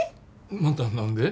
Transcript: また何で？